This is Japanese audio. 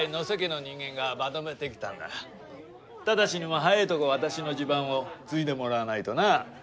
正にも早いとこ私の地盤を継いでもらわないとな。